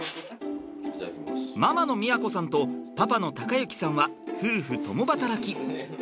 ママの都さんとパパの崇行さんは夫婦共働き。